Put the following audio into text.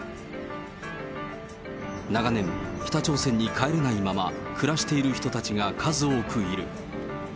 長年、北朝鮮に帰れないまま暮らしている人たちが数多くいる。